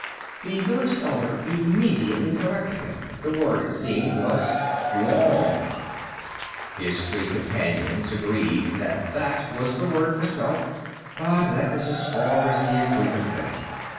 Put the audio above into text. The village elder immediately corrected him. The word, it seemed, was, "Fwoonk." His three companions agreed that that was the word for self, but that was as far as the agreement went.